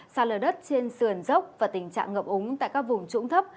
xa lở đất trên sườn dốc và tình trạng ngập úng tại các vùng trũng thấp